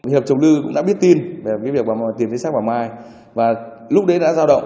hiệp chồng lư cũng đã biết tin về việc tìm kiếm sách bà mai và lúc đấy đã giao động